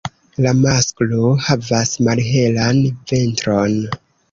La masklo havas malhelan ventron.